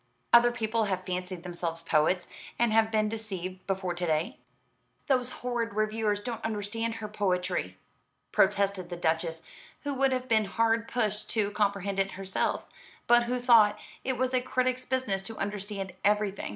Other people have fancied themselves poets, and have been deceived, before to day." "Those horrid reviewers don't understand her poetry," protested the Duchess, who would have been hard pushed to comprehend it herself, but who thought it was a critic's business to understand everything.